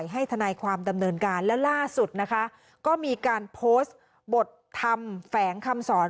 ให้ทนายความดำเนินการแล้วล่าสุดนะคะก็มีการโพสต์บทธรรมแฝงคำสอน